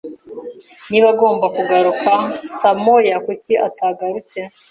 Niba agomba kugaruka saa moya, kuki atagarutse?